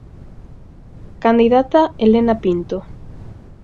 Candidata Helena Pinto.